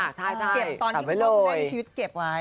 เก็บตอนที่คุณพ่อคุณแม่มีชีวิตเก็บไว้